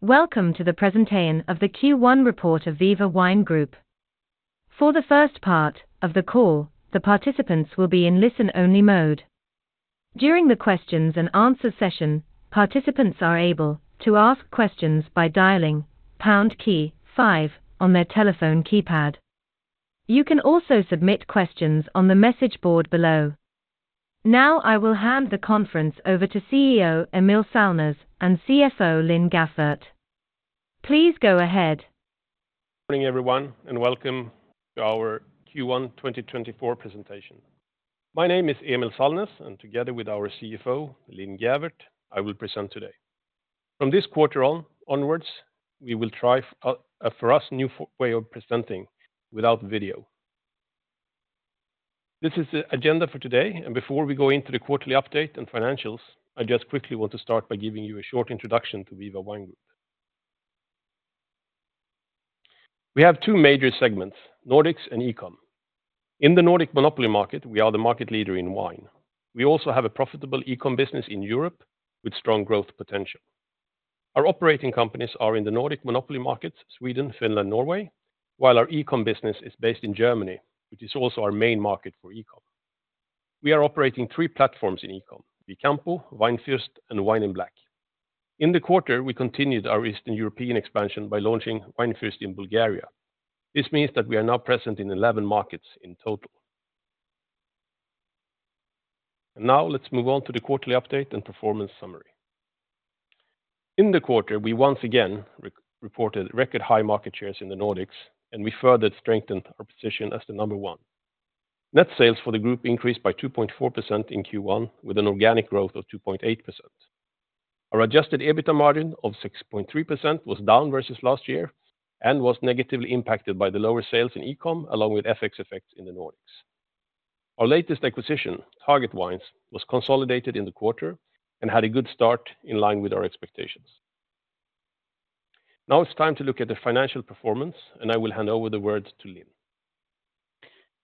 Welcome to the presentation of the Q1 report of Viva Wine Group. For the first part of the call, the participants will be in listen-only mode. During the questions and answer session, participants are able to ask questions by dialing pound key five on their telephone keypad. You can also submit questions on the message board below. Now, I will hand the conference over to CEO Emil Sallnäs and CFO Linn Gäfvert. Please go ahead. Good morning, everyone, and welcome to our Q1 2024 presentation. My name is Emil Sallnäs, and together with our CFO, Linn Gäfvert, I will present today. From this quarter onwards, we will try a for us, new way of presenting without video. This is the agenda for today, and before we go into the quarterly update and financials, I just quickly want to start by giving you a short introduction to Viva Wine Group. We have two major segments, Nordics and E-com. In the Nordic monopoly market, we are the market leader in wine. We also have a profitable E-com business in Europe with strong growth potential. Our operating companies are in the Nordic monopoly markets, Sweden, Finland, Norway, while our E-com business is based in Germany, which is also our main market for E-com. We are operating three platforms in E-com: Vicampo, Weinfürst, and Wine in Black. In the quarter, we continued our Eastern European expansion by launching Weinfürst in Bulgaria. This means that we are now present in 11 markets in total. Now let's move on to the quarterly update and performance summary. In the quarter, we once again reported record high market shares in the Nordics, and we further strengthened our position as the number one. Net sales for the group increased by 2.4% in Q1, with an organic growth of 2.8%. Our Adjusted EBITDA margin of 6.3% was down versus last year and was negatively impacted by the lower sales in E-com, along with FX effects in the Nordics. Our latest acquisition, Target Wines, was consolidated in the quarter and had a good start in line with our expectations. Now it's time to look at the financial performance, and I will hand over the words to Linn.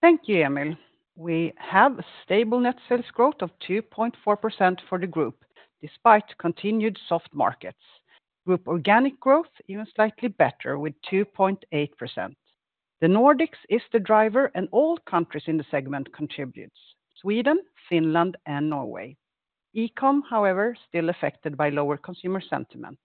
Thank you, Emil. We have a stable net sales growth of 2.4% for the group, despite continued soft markets. Group organic growth, even slightly better, with 2.8%. The Nordics is the driver, and all countries in the segment contributes: Sweden, Finland, and Norway. E-com, however, still affected by lower consumer sentiment.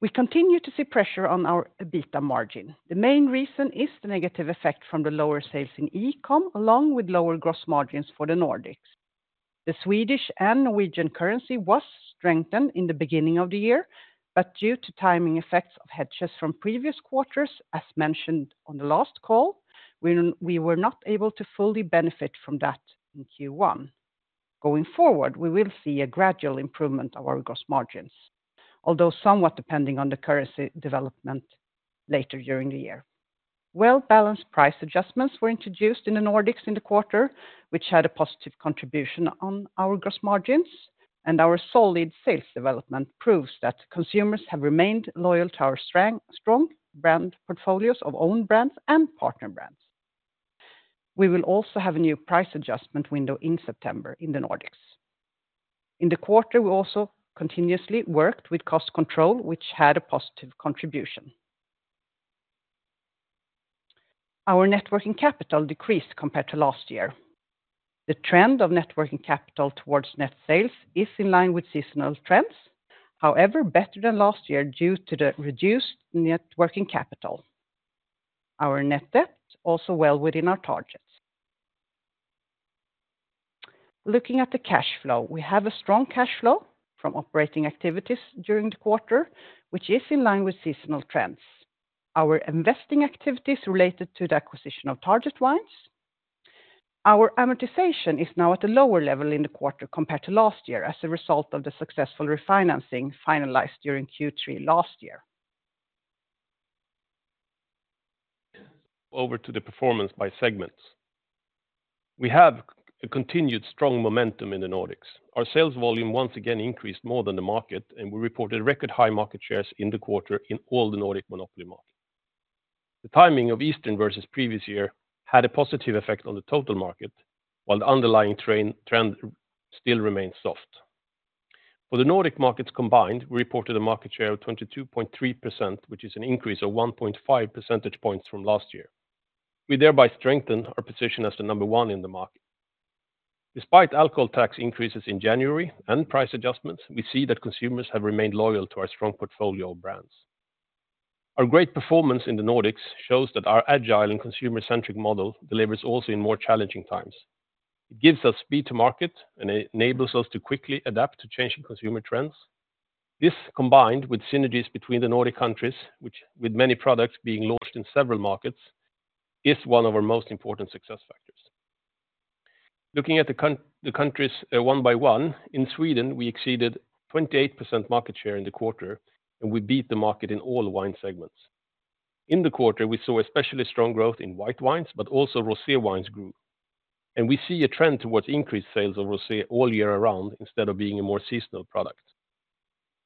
We continue to see pressure on our EBITDA margin. The main reason is the negative effect from the lower sales in E-com, along with lower gross margins for the Nordics. The Swedish and Norwegian currency was strengthened in the beginning of the year, but due to timing effects of hedges from previous quarters, as mentioned on the last call, we were not able to fully benefit from that in Q1. Going forward, we will see a gradual improvement of our gross margins, although somewhat depending on the currency development later during the year. Well-balanced price adjustments were introduced in the Nordics in the quarter, which had a positive contribution on our gross margins, and our solid sales development proves that consumers have remained loyal to our strong, strong brand portfolios of own brands and partner brands. We will also have a new price adjustment window in September in the Nordics. In the quarter, we also continuously worked with cost control, which had a positive contribution. Our Net Working Capital decreased compared to last year. The trend of Net Working Capital towards net sales is in line with seasonal trends. However, better than last year due to the reduced Net Working Capital. Our net debt, also well within our targets. Looking at the cash flow, we have a strong cash flow from operating activities during the quarter, which is in line with seasonal trends. Our investing activities related to the acquisition of Target Wines. Our amortization is now at a lower level in the quarter compared to last year, as a result of the successful refinancing finalized during Q3 last year. Over to the performance by segments. We have a continued strong momentum in the Nordics. Our sales volume once again increased more than the market, and we reported record-high market shares in the quarter in all the Nordic monopoly markets. The timing of Easter versus previous year had a positive effect on the total market, while the underlying trend still remains soft. For the Nordic markets combined, we reported a market share of 22.3%, which is an increase of 1.5 percentage points from last year. We thereby strengthen our position as the number one in the market. Despite alcohol tax increases in January and price adjustments, we see that consumers have remained loyal to our strong portfolio of brands. Our great performance in the Nordics shows that our agile and consumer-centric model delivers also in more challenging times. It gives us speed to market and enables us to quickly adapt to changing consumer trends. This, combined with synergies between the Nordic countries, which with many products being launched in several markets, is one of our most important success factors. Looking at the countries, one by one, in Sweden, we exceeded 28% market share in the quarter, and we beat the market in all wine segments. In the quarter, we saw especially strong growth in white wines, but also rosé wines grew, and we see a trend towards increased sales of rosé all year around, instead of being a more seasonal product.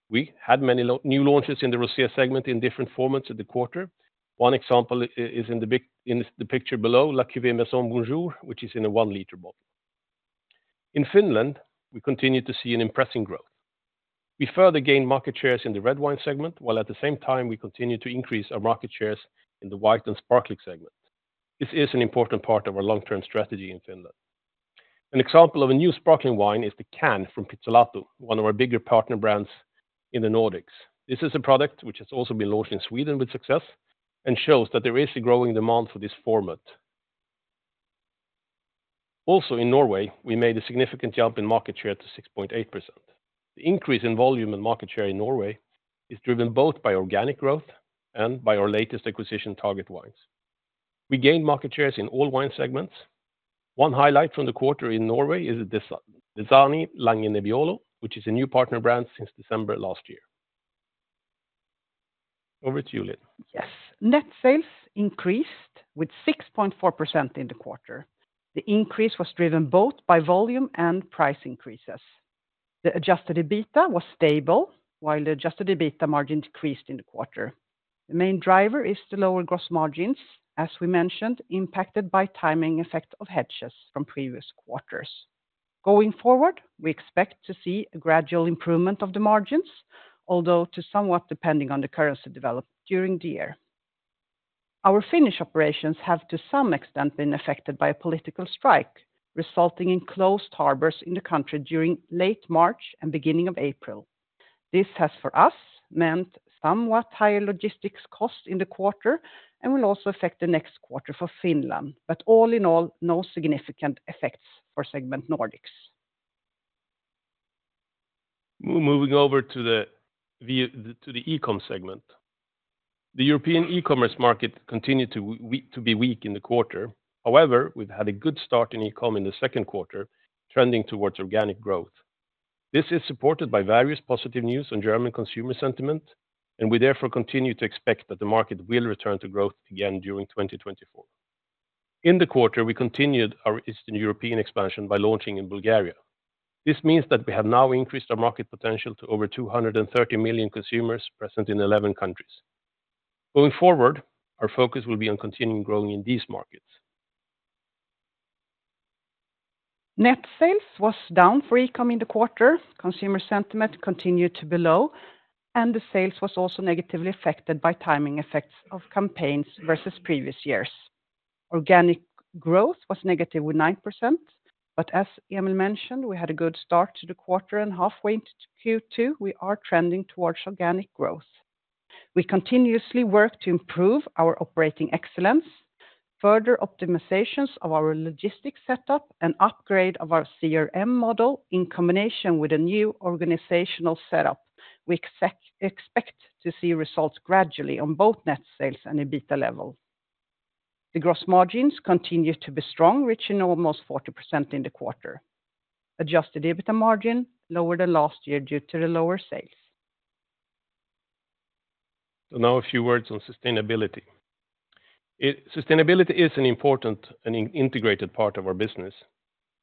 We had many new launches in the rosé segment in different formats in the quarter. One example is in the big, in the picture below, La Cuvée Maison Bonjour, which is in a 1-liter bottle. In Finland, we continue to see an impressive growth. We further gain market shares in the red wine segment, while at the same time, we continue to increase our market shares in the white and sparkling segment. This is an important part of our long-term strategy in Finland. An example of a new sparkling wine is the Can from Pizzolato, one of our bigger partner brands in the Nordics. This is a product which has also been launched in Sweden with success, and shows that there is a growing demand for this format. Also, in Norway, we made a significant jump in market share to 6.8%. The increase in volume and market share in Norway is driven both by organic growth and by our latest acquisition, Target Wines. We gained market shares in all wine segments. One highlight from the quarter in Norway is the Dezzani Langhe Nebbiolo, which is a new partner brand since December last year. Over to you, Linn. Yes. Net sales increased with 6.4% in the quarter. The increase was driven both by volume and price increases. The Adjusted EBITDA was stable, while the Adjusted EBITDA margin decreased in the quarter. The main driver is the lower gross margins, as we mentioned, impacted by timing effect of hedges from previous quarters. Going forward, we expect to see a gradual improvement of the margins, although to somewhat depending on the currency development during the year. Our Finnish operations have, to some extent, been affected by a political strike, resulting in closed harbors in the country during late March and beginning of April. This has, for us, meant somewhat higher logistics costs in the quarter and will also affect the next quarter for Finland, but all in all, no significant effects for segment Nordics. Moving over to the E-com segment. The European e-commerce market continued to be weak in the quarter. However, we've had a good start in E-com in the second quarter, trending towards organic growth. This is supported by various positive news on German consumer sentiment, and we therefore continue to expect that the market will return to growth again during 2024. In the quarter, we continued our Eastern European expansion by launching in Bulgaria. This means that we have now increased our market potential to over 230 million consumers present in 11 countries. Going forward, our focus will be on continuing growing in these markets. Net sales was down for E-com in the quarter. Consumer sentiment continued to be low, and the sales was also negatively affected by timing effects of campaigns versus previous years. Organic growth was negative 9%, but as Emil mentioned, we had a good start to the quarter and halfway into Q2, we are trending towards organic growth. We continuously work to improve our operating excellence, further optimizations of our logistics setup, and upgrade of our CRM model in combination with a new organizational setup. We expect to see results gradually on both net sales and EBITDA level. The gross margins continue to be strong, reaching almost 40% in the quarter. Adjusted EBITDA margin was lower than last year due to the lower sales. Now, a few words on sustainability. Sustainability is an important and integrated part of our business,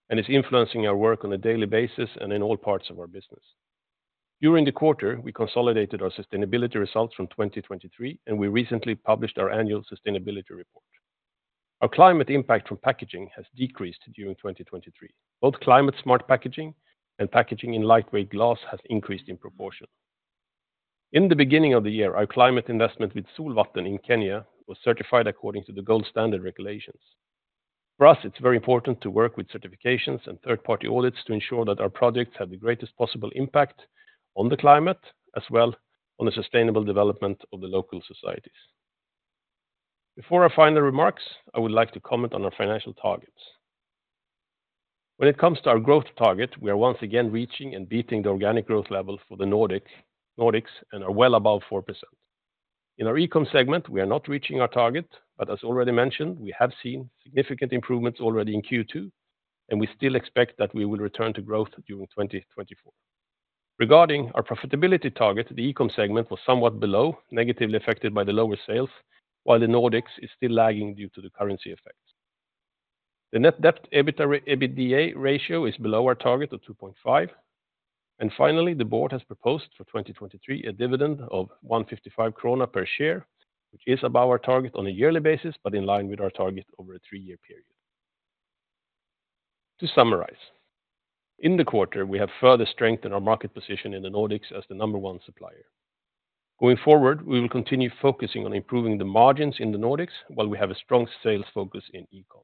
and it's influencing our work on a daily basis and in all parts of our business. During the quarter, we consolidated our sustainability results from 2023, and we recently published our annual sustainability report. Our climate impact from packaging has decreased during 2023. Both climate-smart packaging and packaging in lightweight glass has increased in proportion. In the beginning of the year, our climate investment with Solvatten in Kenya was certified according to the Gold Standard regulations. For us, it's very important to work with certifications and third-party audits to ensure that our projects have the greatest possible impact on the climate, as well on the sustainable development of the local societies. Before our final remarks, I would like to comment on our financial targets. When it comes to our growth target, we are once again reaching and beating the organic growth level for the Nordics and are well above 4%. In our E-com segment, we are not reaching our target, but as already mentioned, we have seen significant improvements already in Q2, and we still expect that we will return to growth during 2024. Regarding our profitability target, the E-com segment was somewhat below, negatively affected by the lower sales, while the Nordics is still lagging due to the currency effects. The net debt/EBITDA ratio is below our target of 2.5. Finally, the board has proposed for 2023, a dividend of 1.55 krona per share, which is above our target on a yearly basis, but in line with our target over a three-year period. To summarize, in the quarter, we have further strengthened our market position in the Nordics as the number one supplier. Going forward, we will continue focusing on improving the margins in the Nordics, while we have a strong sales focus in E-com.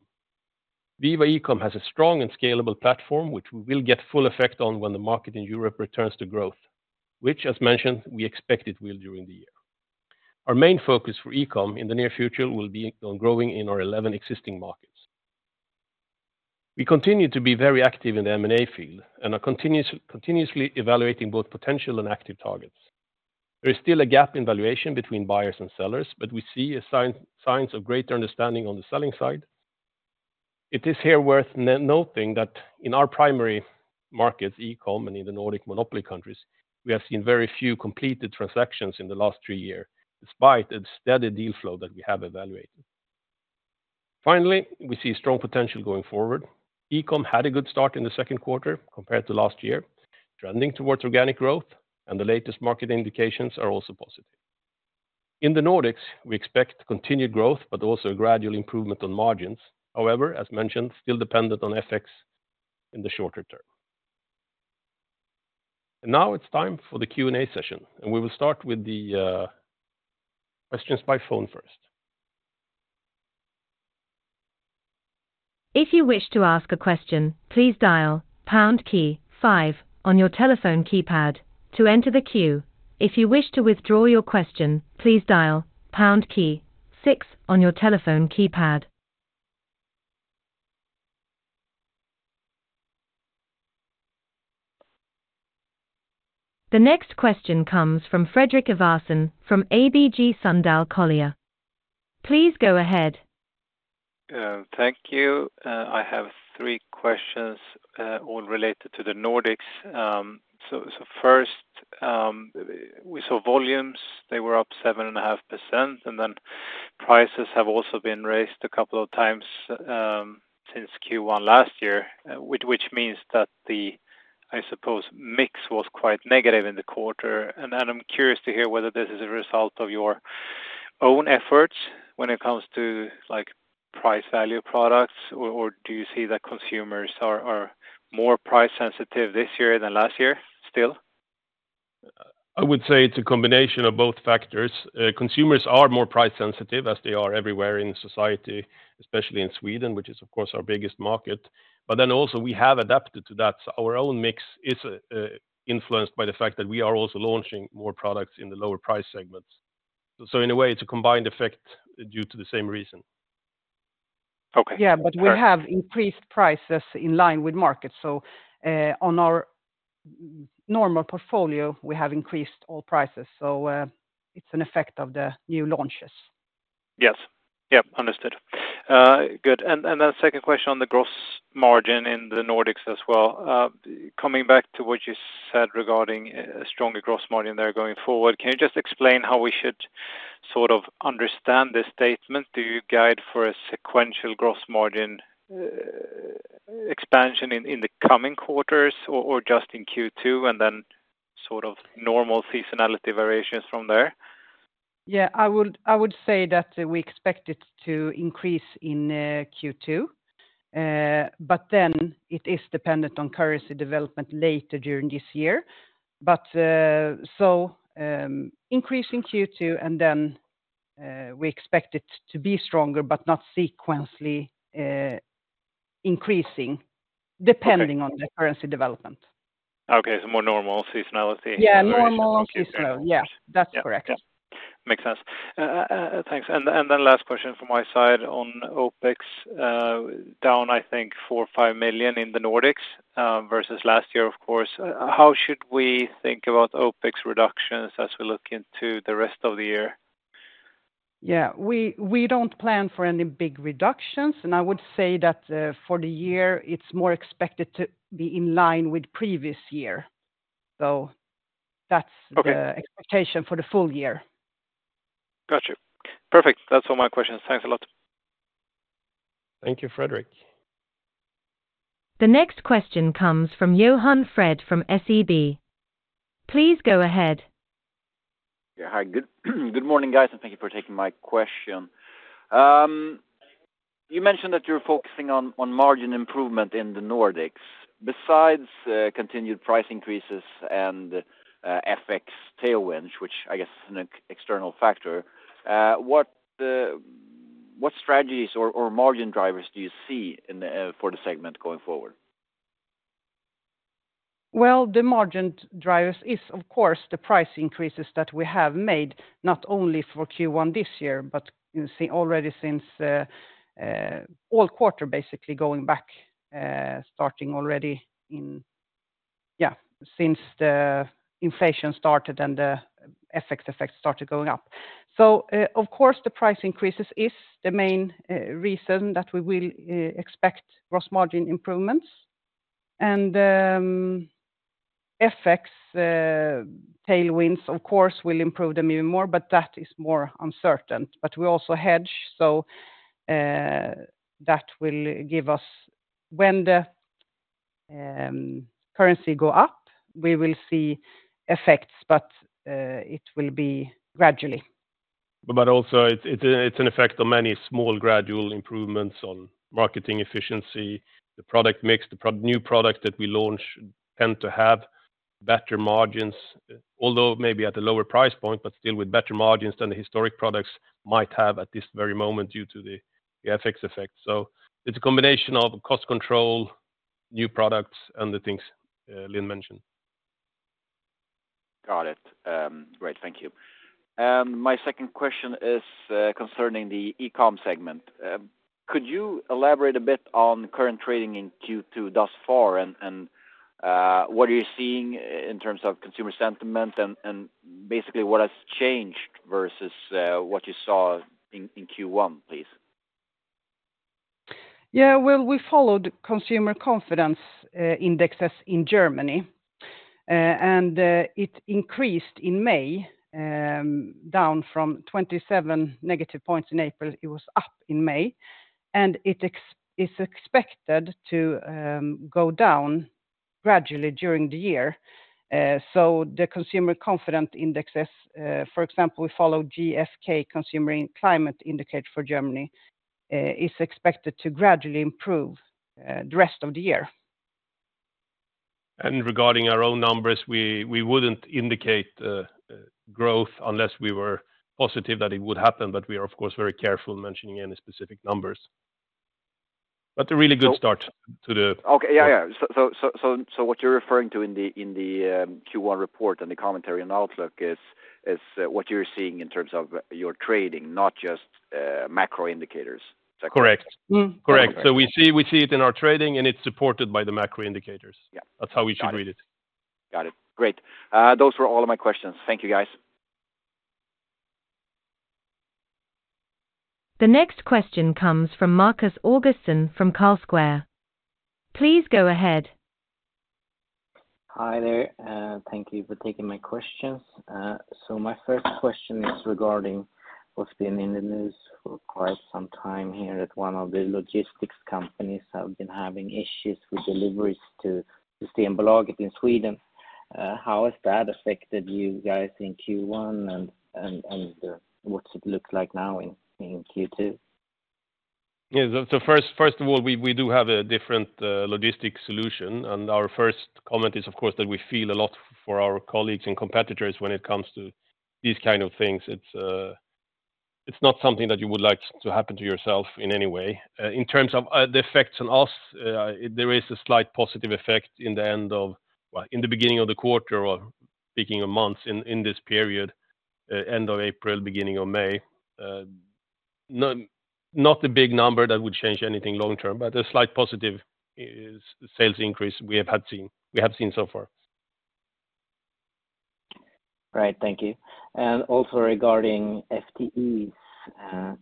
Viva E-com has a strong and scalable platform, which we will get full effect on when the market in Europe returns to growth, which, as mentioned, we expect it will during the year. Our main focus for E-com in the near future will be on growing in our 11 existing markets. We continue to be very active in the M&A field and are continuously evaluating both potential and active targets. There is still a gap in valuation between buyers and sellers, but we see signs of greater understanding on the selling side. It is here worth noting that in our primary markets, E-com and in the Nordic monopoly countries, we have seen very few completed transactions in the last three years, despite the steady deal flow that we have evaluated. Finally, we see strong potential going forward. E-com had a good start in the second quarter compared to last year, trending towards organic growth, and the latest market indications are also positive. In the Nordics, we expect continued growth, but also a gradual improvement on margins. However, as mentioned, still dependent on FX in the shorter term. Now it's time for the Q&A session, and we will start with the questions by phone first. If you wish to ask a question, please dial pound key five on your telephone keypad to enter the queue. If you wish to withdraw your question, please dial pound key six on your telephone keypad. The next question comes from Fredrik Ivarsson from ABG Sundal Collier. Please go ahead. Thank you. I have three questions, all related to the Nordics. So first, we saw volumes. They were up 7.5%, and then prices have also been raised a couple of times since Q1 last year. Which means that the, I suppose, mix was quite negative in the quarter. And then I'm curious to hear whether this is a result of your own efforts when it comes to, like, price value products, or do you see that consumers are more price sensitive this year than last year still? I would say it's a combination of both factors. Consumers are more price sensitive as they are everywhere in society, especially in Sweden, which is, of course, our biggest market. But then also we have adapted to that. Our own mix is influenced by the fact that we are also launching more products in the lower price segments. So in a way, it's a combined effect due to the same reason. Okay. Yeah, but we have increased prices in line with market. So, on our normal portfolio, we have increased all prices, so, it's an effect of the new launches. Yes. Yep, understood. Good. And then second question on the gross margin in the Nordics as well. Coming back to what you said regarding a stronger gross margin there going forward, can you just explain how we should sort of understand this statement? Do you guide for a sequential gross margin expansion in the coming quarters or just in Q2, and then sort of normal seasonality variations from there? Yeah, I would say that we expect it to increase in Q2, but then it is dependent on currency development later during this year. But, so, increase in Q2, and then, we expect it to be stronger, but not sequentially, increasing Okay. depending on the currency development. Okay, so more normal seasonality? Yeah, normal seasonality. Okay. Yeah, that's correct. Yeah. Yeah, makes sense. Thanks. And then last question from my side on OpEx, down, I think, 4 million or 5 million in the Nordics, versus last year, of course. How should we think about OpEx reductions as we look into the rest of the year? Yeah, we don't plan for any big reductions, and I would say that for the year, it's more expected to be in line with previous year. So that's- Okay the expectation for the full year. Got you. Perfect. That's all my questions. Thanks a lot. Thank you, Fredrik. The next question comes from Johan Fred from SEB. Please go ahead. Yeah, hi. Good morning, guys, and thank you for taking my question. You mentioned that you're focusing on margin improvement in the Nordics. Besides continued price increases and FX tailwind, which I guess is an external factor, what strategies or margin drivers do you see in the segment going forward? Well, the margin drivers is, of course, the price increases that we have made, not only for Q1 this year, but you see already since all quarter, basically going back. Yeah, since the inflation started and the FX effects started going up. So, of course, the price increases is the main reason that we will expect gross margin improvements. And, FX tailwinds, of course, will improve them even more, but that is more uncertain. But we also hedge, so, that will give us when the currency go up, we will see effects, but it will be gradually. But also it's an effect of many small gradual improvements on marketing efficiency. The product mix, the new product that we launch tend to have better margins, although maybe at a lower price point, but still with better margins than the historic products might have at this very moment due to the FX effect. So it's a combination of cost control, new products, and the things Linn mentioned. Got it. Great, thank you. My second question is concerning the e-com segment. Could you elaborate a bit on current trading in Q2 thus far, and what are you seeing in terms of consumer sentiment, and basically what has changed versus what you saw in Q1, please? Yeah, well, we followed consumer confidence indexes in Germany, and it increased in May, down from -27 points in April. It was up in May, and it's expected to go down gradually during the year. So the consumer confidence indexes, for example, we follow GfK Consumer Climate Indicator for Germany, is expected to gradually improve the rest of the year. And regarding our own numbers, we wouldn't indicate growth unless we were positive that it would happen, but we are, of course, very careful mentioning any specific numbers. But a really good start to the- Okay, yeah, yeah. So, what you're referring to in the Q1 report and the commentary on outlook is what you're seeing in terms of your trading, not just macro indicators? Correct. Mm-hmm. Correct. Okay. We see, we see it in our trading, and it's supported by the macro indicators. Yeah. That's how we should read it. Got it. Great. Those were all of my questions. Thank you, guys. The next question comes from Markus Augustsson from Carlsquare. Please go ahead. Hi there, thank you for taking my questions. So my first question is regarding what's been in the news for quite some time here at one of the logistics companies, have been having issues with deliveries to Scanlog in Sweden. How has that affected you guys in Q1, and what's it look like now in Q2? Yeah. So, first of all, we do have a different logistic solution, and our first comment is, of course, that we feel a lot for our colleagues and competitors when it comes to these kind of things. It's not something that you would like to happen to yourself in any way. In terms of the effects on us, there is a slight positive effect in the end of... Well, in the beginning of the quarter or speaking of months in this period, end of April, beginning of May. Not a big number that would change anything long term, but a slight positive is sales increase we have seen so far. Right. Thank you. Also regarding FTEs,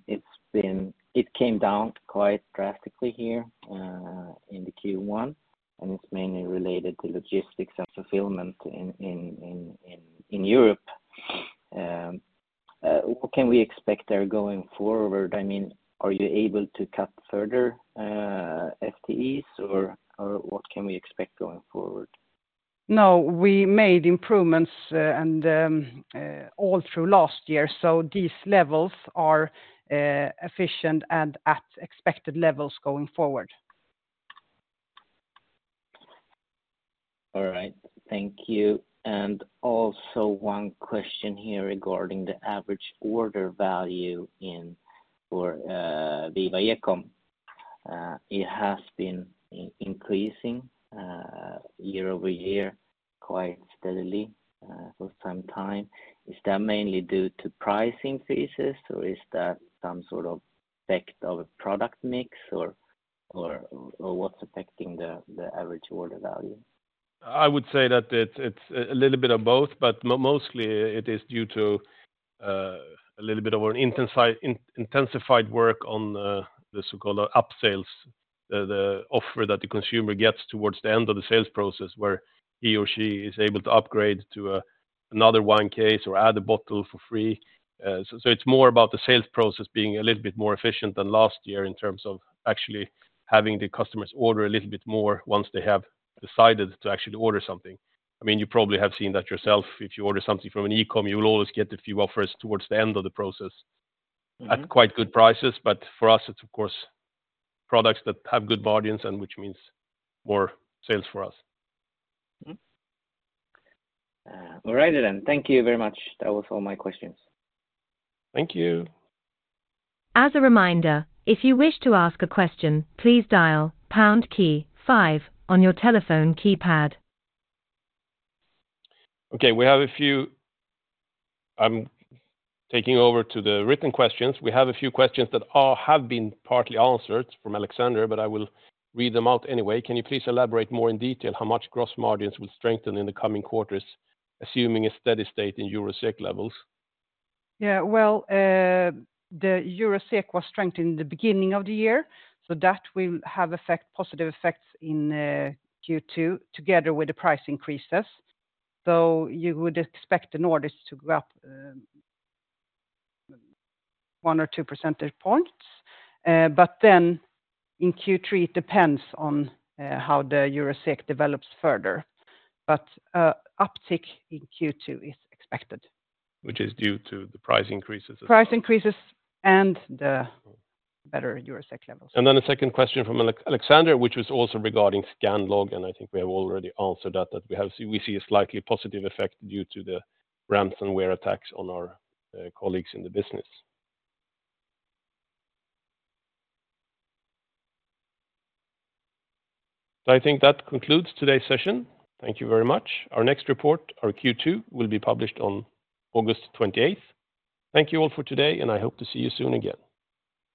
it's been... It came down quite drastically here in the Q1, and it's mainly related to logistics and fulfillment in Europe. What can we expect there going forward? I mean, are you able to cut further FTEs, or what can we expect going forward? No, we made improvements, and all through last year, so these levels are efficient and at expected levels going forward. All right. Thank you. And also one question here regarding the average order value in for Viva Ecom. It has been increasing year over year, quite steadily, for some time. Is that mainly due to pricing increases, or is that some sort of effect of product mix or what's affecting the average order value? I would say that it's a little bit of both, but mostly it is due to a little bit of an intensified work on the so-called upsales, the offer that the consumer gets towards the end of the sales process, where he or she is able to upgrade to another wine case or add a bottle for free. So it's more about the sales process being a little bit more efficient than last year in terms of actually having the customers order a little bit more once they have decided to actually order something. I mean, you probably have seen that yourself. If you order something from an e-com, you will always get a few offers towards the end of the process- Mm-hmm at quite good prices, but for us, it's of course products that have good margins and which means more sales for us. Mm-hmm. All righty then. Thank you very much. That was all my questions. Thank you. As a reminder, if you wish to ask a question, please dial pound key five on your telephone keypad. Okay, we have a few... I'm taking over to the written questions. We have a few questions that have been partly answered from Alexander, but I will read them out anyway. Can you please elaborate more in detail how much gross margins will strengthen in the coming quarters, assuming a steady state in euro SEK levels? Yeah, well, the euro SEK was strengthened in the beginning of the year, so that will have effect, positive effects in Q2 together with the price increases. So you would expect the orders to go up 1 or 2 percentage points. But then in Q3, it depends on how the euro SEK develops further, but uptick in Q2 is expected. Which is due to the price increases as well. Price increases and the- Mm better euro SEK levels. And then a second question from Alexander, which was also regarding Scanlog, and I think we have already answered that, that we see a slightly positive effect due to the ransomware attacks on our colleagues in the business. So I think that concludes today's session. Thank you very much. Our next report, our Q2, will be published on August 28th. Thank you all for today, and I hope to see you soon again.